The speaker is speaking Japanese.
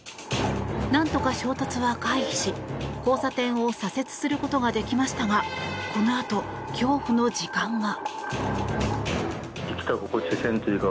何とか衝突は回避し、交差点を左折することができましたがこのあと、恐怖の時間が。